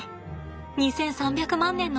２，３００万年の重みだ。